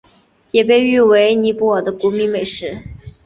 其也被誉为尼泊尔的国民美食。